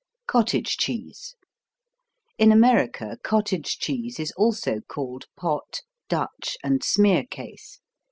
COTTAGE CHEESE In America cottage cheese is also called pot, Dutch and smearcase.